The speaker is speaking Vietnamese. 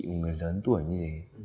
một người lớn tuổi như thế